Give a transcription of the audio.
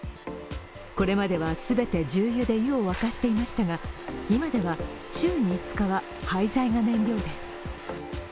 これまでは全て重油で湯を沸かしていましたが、今では週に５日は廃材が燃料です。